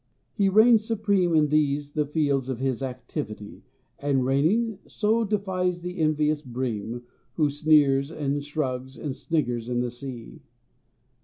He reigns supreme `In these the fields of his activity, And reigning so defies the envious Bream, `Who sneers and shrugs and sniggers in the sea.